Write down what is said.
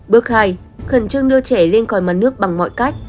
bước hai khẩn trương đưa trẻ lên còi mặt nước bằng mọi cách